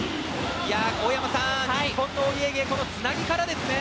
大山さん、日本のお家芸このつなぎからですね。